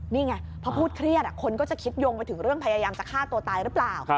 นี่ไงพอพูดเครียดคนก็จะคิดโยงไปถึงเรื่องพยายามจะฆ่าตัวตายหรือเปล่า